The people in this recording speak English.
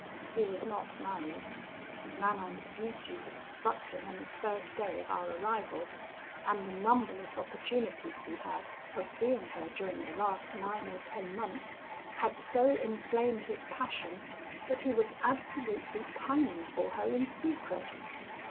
He was not married. Manon's beauty had struck him on the first day of our arrival; and the numberless opportunities he had of seeing her during the last nine or ten months, had so inflamed his passion, that he was absolutely pining for her in secret.